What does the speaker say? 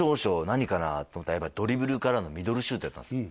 何かなと思ったらやっぱドリブルからのミドルシュートやったんですよ